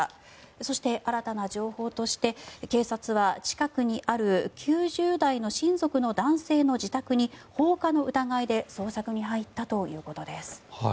そして、新たな情報として警察は近くにある９０代の親族の男性の自宅に放火の疑いで捜索に入ったということです。